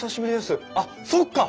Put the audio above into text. あっそっか！